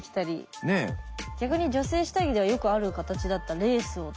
逆に女性下着ではよくある形だったレースを男性がつけたりとか。